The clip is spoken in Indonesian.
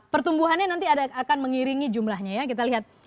pertumbuhannya nanti akan mengiringi jumlahnya ya kita lihat